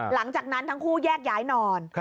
หลังจากนั้นทั้งคู่แยกย้ายนอน